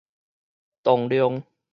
動量